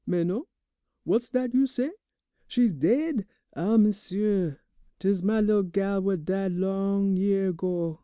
Mais non, what's dat you say? She's daid! Ah, m'sieu, 'tis my lil' gal what died long year ago.